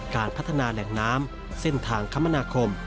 การพัฒนาแหล่งน้ำเส้นทางคมนาคม